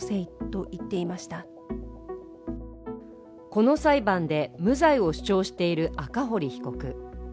この裁判で無罪を主張している赤堀被告。